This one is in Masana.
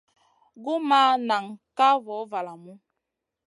Gu ma ŋahn ka voh valamu.